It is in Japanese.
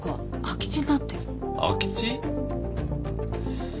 空き地。